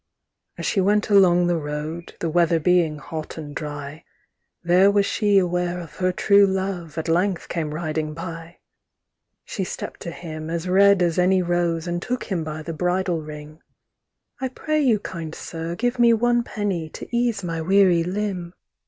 VIIAs she went along the road, The weather being hot and dry, There was she aware of her true love, At length came riding by. VIIIShe stept to him, as red as any rose, And took him by the bridle ring:'I pray you, kind sir, give me one penny, To ease my weary limb.